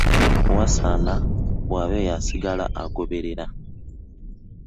Wasaana wabeewo asigala ng'agoberera.